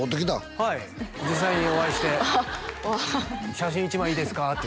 はい実際にお会いしてあっ「写真１枚いいですか？」って